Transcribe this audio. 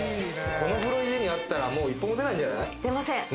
この風呂、家にあったら、一歩も出ないんじゃない？